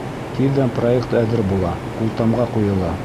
Тиҙҙән проект әҙер була, ҡултамға ҡуйыла.